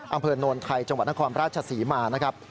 อำเภอโนนไทยจังหวัดนครราชศรีมานะครับ